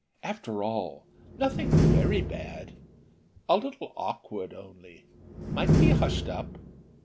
After all, nothing very bad a little awkward only might be hushed up.